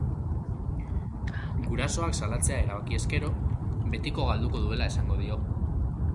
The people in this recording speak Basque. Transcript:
Gurasoak salatzea erabakiz gero, betiko galduko duela esango dio.